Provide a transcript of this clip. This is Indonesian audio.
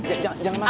jangan jangan makan